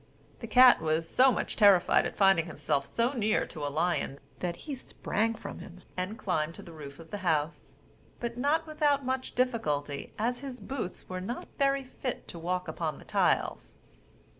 The cat was so much terrified at finding himself so near to a lion, that he sprang from him, and climbed to the roof of the house; but not without much difficulty, as his boots were not very fit to walk upon the tiles.